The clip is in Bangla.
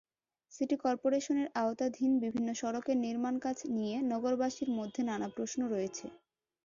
সিটি করপোরেশনের আওতাধীন বিভিন্ন সড়কের নির্মাণকাজ নিয়ে নগরবাসীর মধ্যে নানা প্রশ্ন রয়েছে।